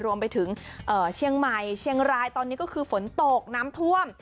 รวมไปถึงเชียงใหม่เชียงรายตอนนี้ก็คือฝนตกน้ำท่วม